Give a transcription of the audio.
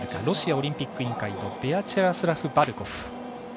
ロシアオリンピック委員会のビアチェスラフ・バルコフ。